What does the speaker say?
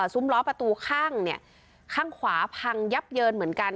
ซุ้มล้อประตูข้างข้างขวาพังยับเยินเหมือนกัน